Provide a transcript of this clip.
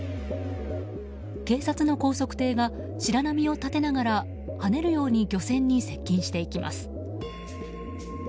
警察の高速艇が白波を立てながらはねるように漁船に接近していきます。